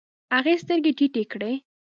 هغې سترګې ټيټې کړې.